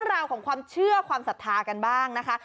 ราวของความเชื่อความศรัทธากันบ้างนะคะ